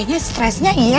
yang akan beralih dari diri